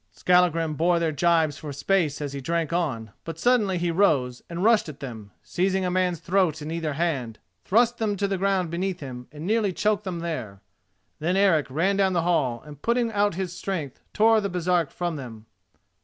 Skallagrim bore their gibes for a space as he drank on, but suddenly he rose and rushed at them, and, seizing a man's throat in either hand, thrust them to the ground beneath him and nearly choked them there. Then Eric ran down the hall, and, putting out his strength, tore the Baresark from them.